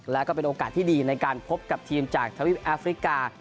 แล้วก็เป็นโอกาสที่ดีในการพบกับทีมจากทวิปแอฟริกา